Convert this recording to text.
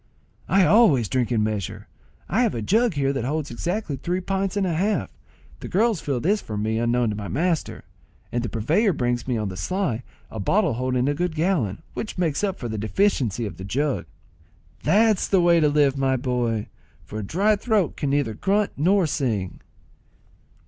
"I always drink in measure. I have a jug here that holds exactly three pints and a half. The girls fill this for me unknown to my master, and the purveyor brings me on the sly a bottle holding a good gallon, which makes up for the deficiency of the jug." "That's the way to live, my boy, for a dry throat can neither grunt nor sing."